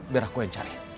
biar aku yang cari